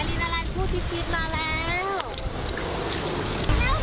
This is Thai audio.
อะรินอลานผู้ชิดมาแล้ว